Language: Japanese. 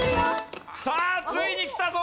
さあついにきたぞ。